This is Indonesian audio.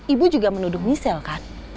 ibu juga menuduh misel kan